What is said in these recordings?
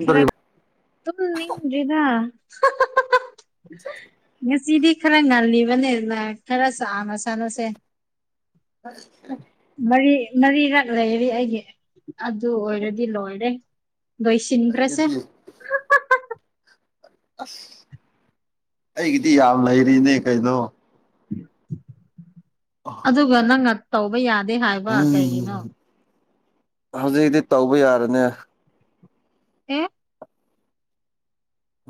ꯈꯔ ꯇꯨꯝ ꯅꯤꯡꯗ꯭ꯔꯤꯅ ꯌꯥ ꯁꯤꯗꯤꯤ ꯈꯔ ꯉꯜꯂꯤꯕꯅꯦꯅ ꯈꯔ ꯁꯥꯅ ꯁꯥꯟꯅꯁꯦ ꯑꯁ ꯃꯔꯤ ꯃꯔꯤꯔꯛ ꯂꯩꯔꯤ ꯑꯩꯒꯤ ꯑꯗꯨ ꯑꯣꯏꯔꯗꯤ ꯂꯣꯏꯔꯦ ꯕꯩꯁꯤꯟꯗ꯭ꯔꯁꯦ ꯑꯩꯒꯤꯗꯤ ꯑꯩꯒꯤꯗꯤ ꯌꯥꯝ ꯂꯩꯔꯤꯅꯦ ꯀꯩꯅꯣ ꯑꯗꯨꯒ ꯅꯪꯅ ꯇꯧꯕ ꯌꯥꯗꯦ ꯍꯥꯏꯕ ꯀꯩꯒꯤꯅꯣ ꯍꯧꯖꯤꯛꯗꯤ ꯇꯧꯕ ꯌꯥꯔꯅꯦ ꯑ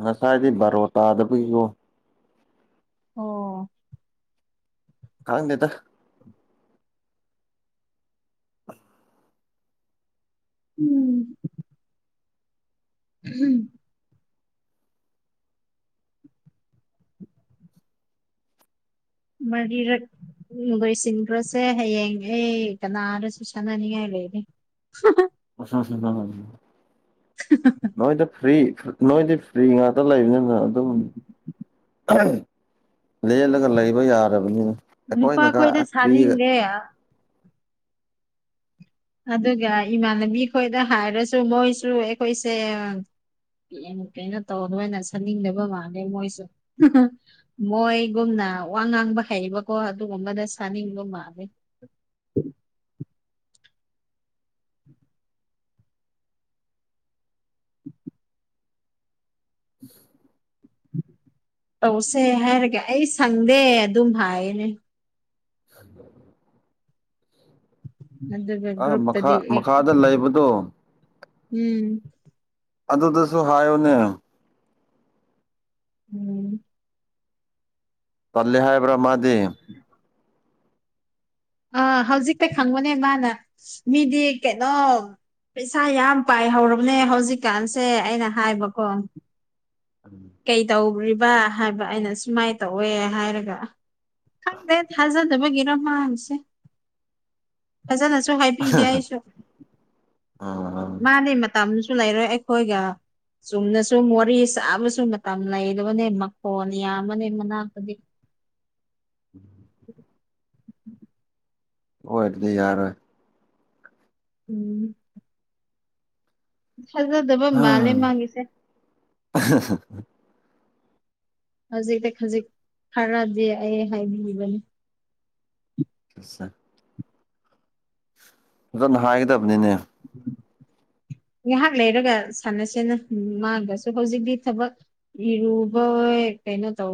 ꯉꯁꯥꯏꯗꯤ ꯕꯥꯔꯣ ꯇꯥꯗꯕꯒꯤꯀꯣ ꯑꯣ ꯈꯥꯎ ꯅꯦꯇ ꯎꯝ ꯍꯝ ꯃꯔꯤꯔꯛ ꯂꯣꯏꯁꯤꯟꯈ꯭ꯔꯁꯦ ꯍꯌꯦꯡ ꯑꯩ ꯀꯅꯥꯗꯁꯨ ꯁꯥꯟꯅꯅꯤꯡꯉꯥꯏ ꯅꯦ ꯅꯣꯏꯗ ꯐ꯭ꯔꯤ ꯅꯣꯏꯗꯤ ꯐ꯭ꯔꯤ ꯉꯥꯛꯇ ꯂꯩꯕꯅꯤꯅ ꯑꯗꯨꯕꯨꯅꯤ ꯂꯦꯜꯂꯒ ꯂꯩꯕ ꯌꯥꯔꯕꯅꯤꯅ ꯑꯩꯈꯣꯏꯅꯒ ꯅꯨꯄꯥꯈꯣꯏꯗ ꯄꯤꯒ ꯁꯥꯅꯤꯡꯗꯦ ꯑꯗꯨꯒ ꯏꯃꯥꯟꯅꯕꯤ ꯈꯣꯏꯗ ꯍꯥꯏꯔꯁꯨ ꯃꯣꯏꯁꯨ ꯑꯩꯈꯣꯏꯁꯦ ꯀꯩꯅꯣ ꯇꯧꯗꯅ ꯁꯟꯅꯤꯡꯗꯕ ꯃꯥꯜꯂꯦ ꯃꯣꯏꯁꯨ ꯃꯣꯏꯒꯨꯝꯅ ꯋꯥ ꯉꯥꯡꯕ ꯍꯩꯕꯀꯣ ꯑꯗꯨꯒꯨꯝꯕꯅ ꯁꯥꯅꯤꯡꯕ ꯃꯥꯂꯦ [unintelligible] ꯇꯧꯁꯦ ꯍꯥꯏꯔꯒꯦ ꯑꯩ ꯁꯪꯗꯦ ꯑꯗꯨꯝ ꯍꯥꯏꯅꯦ ꯑꯗꯨꯗꯒ ꯑꯥ ꯃꯈꯥ ꯭ꯔꯨꯨꯞꯇꯗꯤ ꯃꯈꯥꯗ ꯂꯩꯕꯗꯣ ꯎꯝ ꯑꯗꯨꯗꯁꯨ ꯍꯥꯏꯌꯨꯅꯦ ꯎꯝ ꯄꯜꯂꯦ ꯍꯥꯏꯕ꯭ꯔꯥ ꯃꯥꯗꯤ ꯑꯥ ꯍꯧꯖꯤꯛꯇ ꯈꯪꯕꯅꯦ ꯃꯥꯅ ꯃꯤꯗꯤ ꯀꯩꯅꯣ ꯄꯩꯁꯥ ꯌꯥꯝ ꯄꯥꯏꯍꯧꯔꯕꯅꯦ ꯍꯧꯖꯤꯛꯀꯥꯟꯁꯦ ꯑꯩꯅ ꯍꯥꯏꯕꯀꯣ ꯀꯩ ꯇꯧ꯭ꯔꯤꯕ ꯍꯥꯏꯕ ꯑꯩꯅ ꯁꯨꯃꯥꯏꯅ ꯇꯧꯋꯦ ꯍꯥꯏꯔꯒ ꯈꯪꯗꯦ ꯊꯥꯖꯗꯕꯒꯤꯔꯣ ꯃꯥꯡꯁꯦ ꯐꯖꯅꯁꯨ ꯍꯥꯏꯕꯤꯗꯦ ꯑꯩꯁꯨ ꯑꯣꯏꯔꯗꯤ ꯃꯥꯅꯦ ꯃꯇꯝꯁꯨ ꯂꯩꯔꯣꯏ ꯑꯩꯈꯣꯏꯒ ꯆꯨꯝꯅꯁꯨ ꯃꯣꯔꯦ ꯆꯥꯕꯁꯨ ꯃꯇꯝ ꯂꯩꯕꯅꯦ ꯃꯈꯣꯟ ꯌꯥꯝꯕꯅꯦ ꯃꯅꯥꯛꯇꯗꯤ [unintelligible] ꯑꯣꯏꯔꯗꯤ ꯌꯥꯔ ꯎꯝ ꯍꯖꯔꯗꯕ ꯃꯥꯜꯦ ꯃꯥꯉꯁꯦ ꯍꯧꯖꯤꯛꯇꯤ ꯈꯖꯤꯛ ꯈꯔꯗꯤ ꯑꯩ ꯍꯥꯏꯕꯤꯈꯤꯕꯅꯤ ꯑꯁ ꯐꯖꯅ ꯍꯥꯏꯒꯗꯕꯅꯤꯅꯦ ꯎꯝ ꯉꯍꯥꯛ ꯂꯩꯔꯒ ꯁꯥꯟꯅꯁꯦꯅ ꯃꯥꯒꯁꯨ ꯍꯧꯖꯤꯛꯇꯤ ꯊꯕꯛ ꯏꯔꯨꯕ ꯀꯩꯅꯣ ꯇꯧ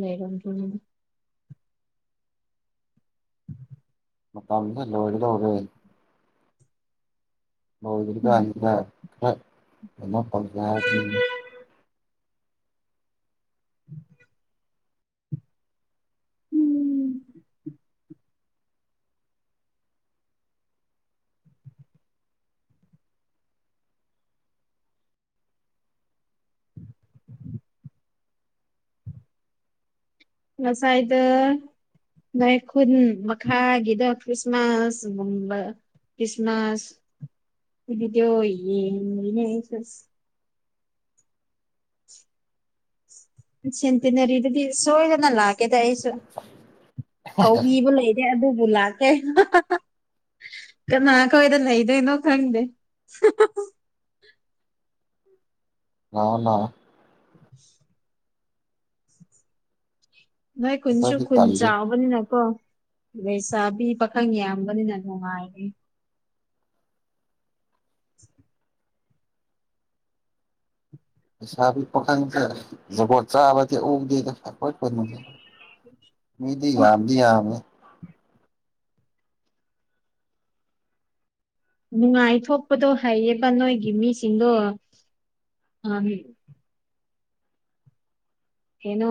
ꯂꯩꯔꯝꯗꯅꯤ ꯃꯥ ꯂꯣ ꯑꯣꯏꯗꯧꯕꯦ ꯎꯝ ꯃꯧꯇ ꯑ ꯄ [inaudible] ꯎꯝ ꯉꯁꯥꯏꯗ ꯅ ꯈꯨꯟ ꯃꯈꯥꯒꯤꯗ ꯈ꯭ꯔꯤꯁꯃꯥꯁ ꯈ꯭ꯔꯤꯁꯃꯥꯁ ꯑꯗꯨꯗꯤꯣ ꯏ ꯁꯤꯇꯤꯅ ꯔꯔꯤꯗꯤꯗꯤ ꯁꯣꯏꯗꯅ ꯂꯥꯛꯒꯦ ꯇ ꯑꯩꯁꯨ ꯀꯧꯕꯤꯕ ꯂꯩꯔꯦ ꯑꯗꯨꯕꯨ ꯂꯥꯛꯀꯦ ꯀꯅꯥ ꯀꯣꯏꯗ ꯅꯗꯅ ꯈꯪꯗ ꯑꯅꯥ [unintelligible] ꯚꯥꯏ ꯈꯨꯨꯟꯁꯨ ꯑꯩꯈꯣꯏꯗꯤ ꯈꯨꯨꯟ ꯇꯜꯂꯤ ꯆꯥꯕꯅꯤ ꯅ ꯀꯣ ꯂꯩ ꯆꯥꯕꯤ ꯄꯥꯈꯪ ꯌꯥꯝꯕꯅꯤꯅ ꯅꯨꯡꯉꯥꯏꯔꯦ ꯄꯩꯁꯥꯕꯤ ꯄꯥꯈꯪꯁꯦ ꯖꯒꯣꯠ ꯆꯥꯕꯗꯤ ꯎꯗꯦꯗ ꯐꯦ ꯣꯏ ꯃꯤꯗꯤ ꯋꯥꯃꯦ ꯅꯨꯡꯉꯥꯏꯊꯣꯛꯄꯗꯣ ꯍꯩꯌꯦꯕ ꯅꯣꯏꯒꯤ ꯃꯤꯁꯤꯡꯗꯣ ꯑ ꯍ ꯍꯅꯣ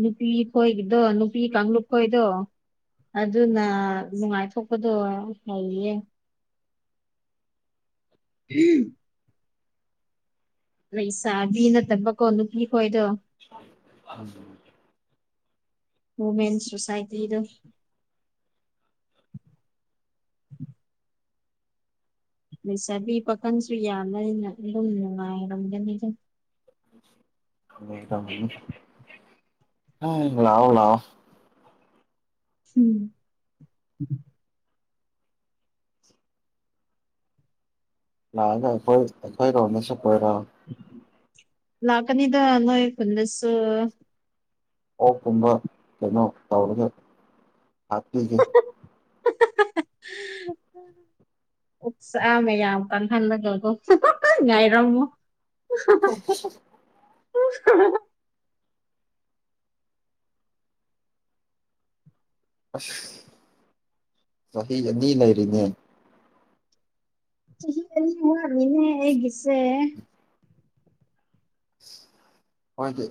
ꯅꯨꯄꯤ ꯍꯣꯏꯗꯣ ꯅꯨꯄꯤ ꯀꯥꯡꯂꯨꯞ ꯈꯣꯏꯗꯣ ꯑꯗꯨꯅ ꯅꯨꯡꯉꯥꯏꯊꯣꯛꯄꯗꯣ ꯂꯩꯌꯦ ꯍꯝ ꯂꯩꯁꯥꯕꯤ ꯅꯠꯇꯕꯀꯣ ꯅꯨꯄꯤ ꯈꯣꯏꯗꯣ ꯑ ꯋꯨꯃꯦꯟ ꯁꯣꯁꯥꯏꯇꯤꯗ ꯎꯝ ꯂꯩ ꯆꯕꯤ ꯄꯥꯈꯪꯁꯨ ꯌꯥꯅ ꯑꯩꯅ ꯑꯗꯨꯝ ꯅꯨꯡꯉꯥꯏꯔꯝꯒꯅꯤꯗ ꯂꯑꯣ ꯎꯝ ꯂꯥꯛꯑꯒ ꯑꯩꯈꯣꯏ ꯑꯩꯈꯣꯏ ꯔꯣꯅꯁꯨ ꯀꯣꯏꯔꯑꯣ ꯂꯥꯛꯀꯅꯤꯗꯅꯣꯣꯏ ꯈꯨꯟꯅꯁ ꯑꯣꯛꯀꯨꯝꯕ ꯀꯩꯅꯣ ꯇꯧꯔꯒ ꯍꯥꯞꯄꯤꯒꯦ [unintelligible] ꯎꯁꯃꯦ ꯌꯥꯝ ꯀꯥꯟ ꯊꯗ ꯀꯦꯀꯣ ꯉꯥꯏꯔꯃꯣ ꯊꯦꯡ [unintelligible] ꯑꯁ ꯆꯍꯤ ꯑꯅꯤ ꯂꯩꯔꯤꯅꯦ ꯁꯤ ꯃ ꯏꯅꯦ ꯁꯦ ꯍꯣꯏꯗꯤ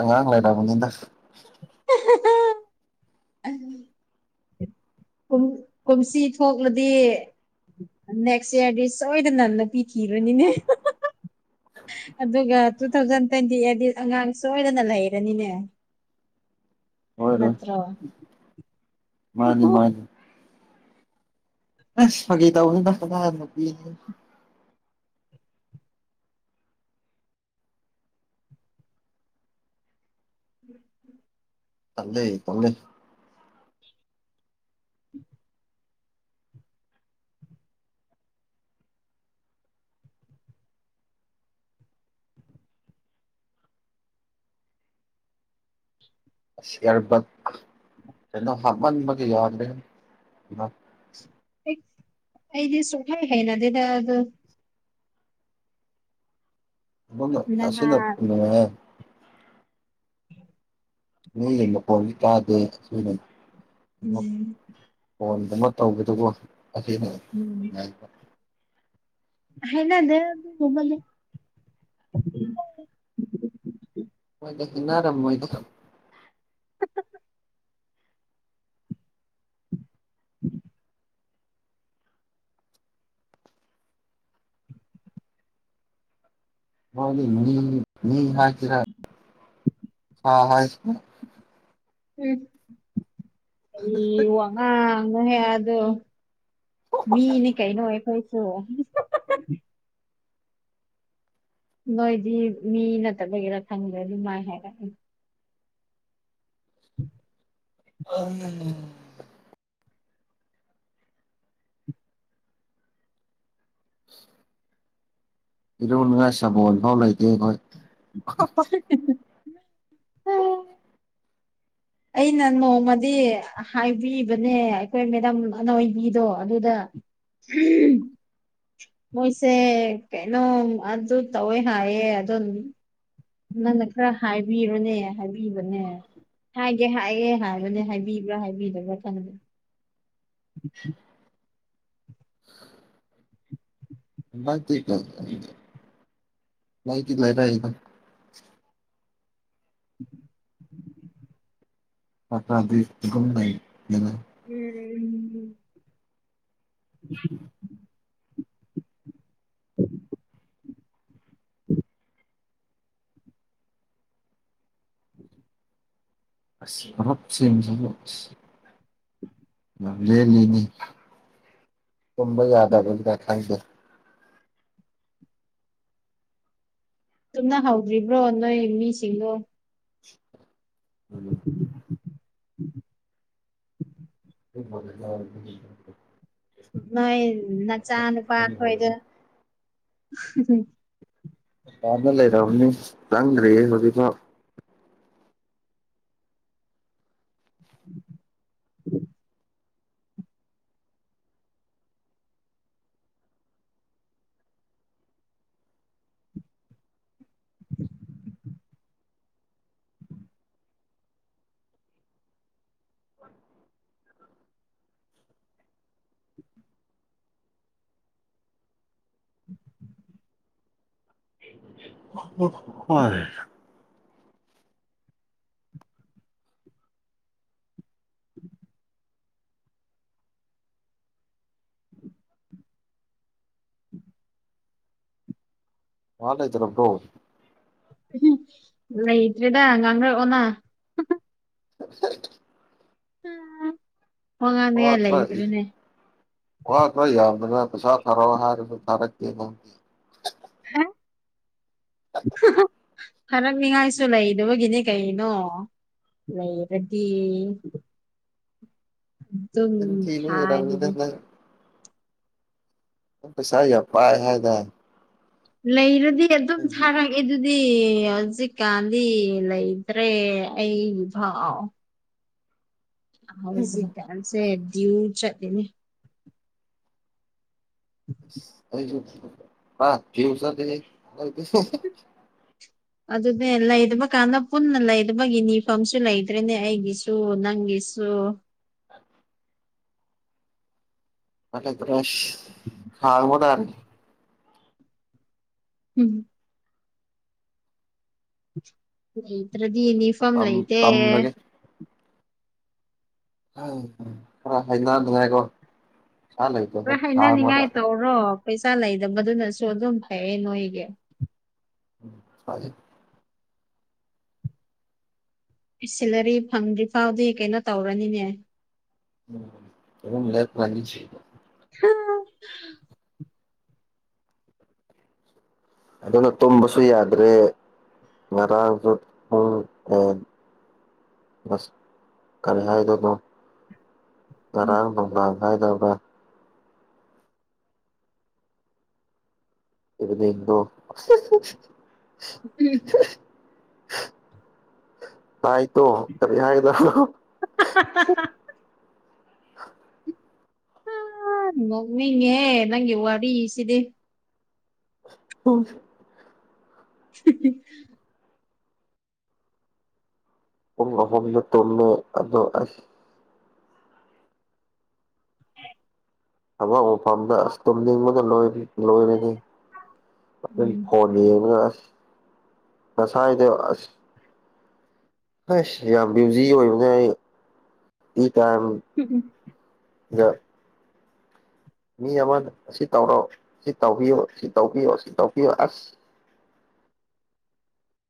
ꯑꯉꯥꯡ ꯂꯩꯔꯕꯅꯤꯗ [unintelligible] ꯀ ꯀꯨꯝꯁꯤ ꯊꯣꯛꯂꯗꯤ ꯅꯦꯛꯁ ꯏꯌꯥꯔꯗꯤ ꯁꯣꯏꯗꯅꯟꯅ ꯄꯤꯔꯅꯤꯅꯦ ꯑꯗꯨꯒ ꯇꯨ ꯊꯥꯎꯖꯟ ꯇ꯭ꯋꯦꯟꯇꯤ ꯑꯩꯠꯗꯤ ꯑꯉꯥꯡ ꯁꯣꯏꯗꯅ ꯂꯩꯔꯅꯤꯅꯦ ꯍꯣꯏꯔꯣꯏ ꯅꯠꯇ꯭ꯔ ꯃꯥꯅꯤ ꯃꯥꯅꯤ ꯑꯁ ꯐꯒꯩ ꯇꯗ ꯐꯗꯥ ꯆꯗꯩ ꯇꯗꯦ ꯎꯝ ꯁꯤ ꯑꯔꯕꯛ ꯆꯩꯅꯣ ꯍꯥꯃꯟꯕꯒꯤ ꯌꯥꯗ ꯂꯩꯦ ꯑꯩꯗꯤꯁꯨꯈꯥꯏ ꯍꯥꯏꯅ ꯑꯗꯨꯅ ꯑꯗꯨ ꯣꯅꯣ ꯌꯥꯁꯅ ꯅꯍꯥꯟ ꯂꯩ ꯏ ꯄꯜ ꯀꯗꯦ ꯁꯨ ꯎꯝ ꯐꯣꯟꯗꯨꯃ ꯇꯧꯕꯗꯨꯕꯨ ꯑꯁꯤꯉ ꯍꯅꯗꯦ ꯍꯒ ꯃꯣꯏꯅꯔꯝꯣꯏꯗ ꯃꯥ ꯍꯥꯏ ꯀꯔ ꯑ ꯍ ꯎ ꯑꯩ ꯋꯥꯉꯍ ꯑꯗꯨꯣ ꯃꯤꯅꯤ ꯀꯩꯅꯩꯅ ꯑꯣꯏꯦꯈꯣꯏꯁꯨ ꯅꯣꯏꯗꯤ ꯃꯤ ꯅꯠꯇꯕꯒꯦꯔꯥ ꯈꯪꯗ꯭ꯔꯦ ꯑꯗꯨ ꯃꯥꯏ ꯍꯥꯏꯔꯒꯦ ꯎꯝ ꯎ [unintelligible] ꯏ ꯅꯨꯡꯉꯥꯏ ꯆꯕꯣꯜ ꯐꯥꯎ ꯂꯩꯇꯦꯈꯣꯏ [inaudible] ꯑꯩꯅ ꯅꯣꯡꯃꯗꯤ ꯍꯥꯏꯕꯤꯕꯅꯦ ꯑꯩꯈꯣꯏ ꯃꯦꯗꯥꯝ ꯑꯅꯣꯏꯕꯤꯗꯣ ꯑꯗꯨꯗ ꯍꯝ ꯃꯣꯏꯁꯦ ꯀꯩꯅꯣꯝ ꯑꯗꯨ ꯇꯧꯋꯦ ꯍꯥꯏꯌꯦ ꯑꯗꯨꯝ ꯅꯪꯅ ꯈꯔ ꯍꯥꯏꯕꯤꯔꯣꯅꯦ ꯍꯥꯏꯕꯤ ꯍꯥꯏꯕꯅꯦ ꯍꯥꯏꯒꯦ ꯍꯥꯏꯌꯦꯦ ꯍꯥꯏꯕꯅꯦ ꯍꯥꯏꯕꯤꯕ꯭ꯔꯥ ꯍꯥꯏꯕꯤꯗꯕ꯭ꯔꯥ ꯈ ꯎꯝ ꯥꯏ ꯂꯩ ꯇ [unintelligible] ꯑ꯭ꯔꯗꯤꯨꯝꯏ ꯍꯔ ꯎꯝ [inaudible] ꯑ ꯃꯍꯠ ꯆ ꯏꯖ ꯂꯩꯅꯤ ꯊꯝꯕ ꯌꯥꯗꯕꯒ ꯊꯦ꯫ ꯆꯨꯝꯅ ꯍꯧꯗ꯭ꯔꯤꯕ꯭ꯔꯣ ꯅꯣꯏ ꯃꯤꯁꯤꯡꯗꯣ꯫ ꯎ꯫ ꯎꯝ ꯫ ꯅꯣꯏ ꯅꯆꯥ ꯅꯨꯄꯥ ꯑꯩꯈꯣꯏꯗ ꯗꯨꯀꯥꯟꯗ ꯗ ꯂꯩꯔꯔꯕꯅꯤ ꯆꯪꯗ꯭ꯔꯦꯌꯦ ꯍꯧꯖꯤꯛꯐꯥꯎ ꯍ [inaudible] ꯃꯥꯂꯦ ꯆꯂ ꯄ꯭ꯔꯣ ꯂꯩꯇ꯭ꯔꯦꯗ ꯉꯥꯡꯉꯔꯛꯑꯣꯅ [inaudible] ꯎꯝ ꯋꯥ ꯈꯔ ꯋꯥ ꯈꯔ ꯌꯥꯝꯗꯅ ꯄꯩꯁꯥ ꯊꯥꯔꯛꯑꯣ ꯍꯥꯏꯔꯁꯨ ꯊꯥꯔꯛ ꯑꯣ ꯍ ꯐꯔꯛꯅꯤꯉꯥꯏꯁꯨ ꯂꯩꯅꯕꯒꯤꯅꯤ ꯀꯩꯅꯣ ꯅ ꯔꯦꯗꯤ ꯆꯤꯟ ꯊꯤꯅ ꯊꯥꯏꯗꯨꯗꯤ ꯔꯔꯝꯅꯗꯂ ꯩ ꯁ ꯄꯥꯏ ꯍꯥꯏꯗꯥꯏ ꯂꯩꯔꯗꯤ ꯑꯗꯨꯝ ꯁꯥꯔꯛꯑꯦ ꯗꯤ ꯍꯧꯖꯤꯛꯀꯥꯟꯗꯤ ꯂꯩꯇ꯭ꯔꯦ ꯑꯩꯚꯥꯎ ꯍꯧꯖꯤꯛ ꯀꯥꯟꯁꯦ ꯌꯎ ꯆꯠꯗꯅꯦ ꯑꯩꯁꯨ ꯊꯁ ꯑꯗꯨꯅꯦ ꯂꯩꯗꯕ ꯀꯥꯟꯗ ꯄꯨꯟꯅ ꯂꯩꯗꯕꯒꯤ ꯅꯤꯐꯝꯁꯨ ꯂꯩꯇ꯭ꯔꯦꯅꯦ ꯑꯩꯒꯤꯁꯨ ꯅꯪꯒꯤꯁꯨ ꯑꯁꯨꯣ ꯑ ꯊꯕꯗ ꯍꯝ ꯂꯩꯇ꯭ꯔꯗꯤ ꯌꯨꯅꯤꯐꯣꯔꯝ ꯇꯝ ꯂꯩꯇꯦ ꯇꯝꯔꯒꯦ ꯍ ꯈꯔ ꯍꯥꯏꯅꯗꯉꯀꯣ ꯑ ꯍꯩꯅ ꯅꯤꯡꯉꯥꯏ ꯇꯧꯔꯣ ꯄꯩꯁꯥ ꯂꯩꯗꯕꯗꯨꯅꯁꯨ ꯑꯗꯨꯝ ꯐꯩꯌꯦ ꯅꯣꯏꯒꯤ ꯎꯝ ꯐꯦ ꯁꯤꯂꯔꯤ ꯐꯪꯗ꯭ꯔꯤꯐꯥꯎꯗꯤ ꯀꯩꯅꯣ ꯇꯧꯔꯅꯤꯅꯦ ꯎ ꯃ ꯃ ꯑꯗꯨꯅ ꯇꯨꯝꯕꯁꯨ ꯌꯥꯗ꯭ꯔꯦ ꯉꯔꯥꯡꯁꯨ ꯎꯝ ꯑꯦ ꯁ ꯀꯔꯍꯥꯏꯗꯀꯣ ꯇꯔꯥꯡꯕꯥ ꯍꯥꯏꯥꯏꯗꯕ ꯑꯗꯨꯅꯤ ꯏꯣ ꯎꯝ [inaudible] ꯇꯥꯏꯇꯣ ꯀꯔꯤ ꯍꯥꯏꯒꯗꯣ ꯑ ꯅꯅꯤꯉꯦ ꯅꯪ ꯋꯥꯗꯤ ꯏꯁꯤꯗꯤꯦ ꯑꯣ [inaudible] ꯍ ꯍꯣꯅ ꯇꯂꯃꯦ ꯑꯗꯣ ꯑꯕ ꯃꯐꯝꯝꯗꯇꯝꯕꯗ ꯂꯣꯏꯔꯤ꯫ ꯂꯣꯏꯔꯅꯤ ꯑꯗꯨ ꯎꯝ ꯐꯣꯟ ꯌꯦꯡꯕꯒ ꯑꯁ꯫ ꯉꯁꯥꯏꯥꯏꯗꯁ ꯑ ꯌꯥꯝ ꯕꯤꯌꯨꯖꯤ ꯑꯣꯏꯕꯅꯦ ꯌꯥꯝ ꯃꯤ ꯑꯃꯅ ꯁꯤ ꯇꯧꯔꯣ ꯁꯤ ꯇꯧꯕꯤꯌꯣ ꯁꯤ ꯇꯧꯕꯤꯌꯣ ꯁꯤ ꯇꯧꯕꯤꯌꯣ ꯑꯁ